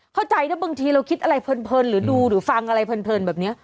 เข้าใจนะบางทีเราคิดอะไรเพลินหรือดูหรือฟังอะไรเพลินแบบนี้